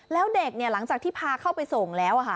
แล้วเด็กหลังจากที่พาเข้าไปส่งแล้ว